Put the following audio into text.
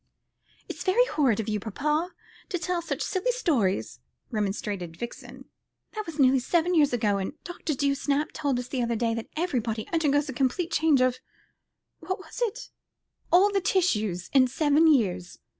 "It's very horrid of you, papa, to tell such silly old stories," remonstrated Vixen. "That was nearly seven years ago, and Dr. Dewsnap told us the other day that everybody undergoes a complete change of what is it? all the tissues in seven years.